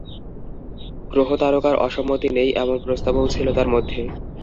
গ্রহতারকার অসম্মতি নেই এমন প্রস্তাবও ছিল তার মধ্যে।